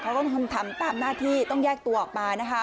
เขาต้องทำตามหน้าที่ต้องแยกตัวออกมานะคะ